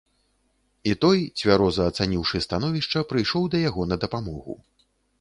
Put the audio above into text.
І той, цвяроза ацаніўшы становішча, прыйшоў да яго на дапамогу.